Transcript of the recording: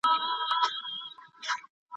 هغه څېړنه چي په ګډه کېږي بریالۍ وي.